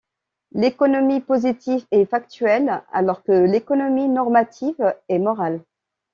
L'économie positive est factuelle alors que l'économie normative est morale.